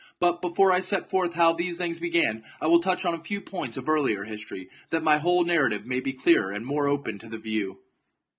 But, before I set forth how these things began, I will touch on a few points of earlier history, that my whole narrative may be clearer and more open to the view.